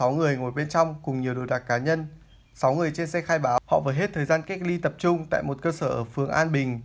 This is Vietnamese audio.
sáu người trên xe khai báo họ vừa hết thời gian cách ly tập trung tại một cơ sở ở phường an bình